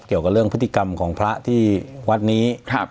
เกี่ยวกับเรื่องพฤติกรรมของพระที่วัดนี้